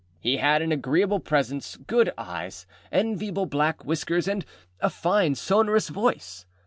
He had an agreeable presence, good eyes, enviable black whiskers, and a fine sonorous voice.